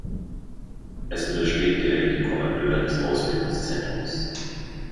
Es untersteht direkt dem Kommandeur des Ausbildungszentrums.